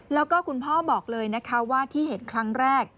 แล้วก็คุณพ่อบอกเลยนะคะว่าที่เห็นครั้งแรก